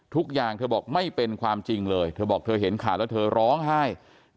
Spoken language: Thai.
ทุกอย่างเธอบอกไม่เป็นความจริงเลยเธอบอกเธอเห็นข่าวแล้วเธอร้องไห้